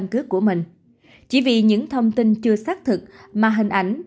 chỉ vì những thông tin chưa xác thực mà hình ảnh